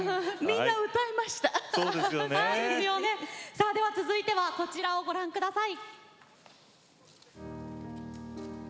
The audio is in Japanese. さあでは続いてはこちらをご覧下さい。